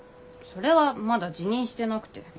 それはまだ自認してなくて。